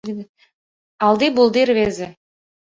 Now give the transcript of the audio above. — Алди-булди рвезе!